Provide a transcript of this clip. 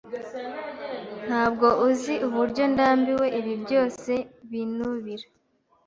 Ntabwo uzi uburyo ndambiwe ibi byose binubira.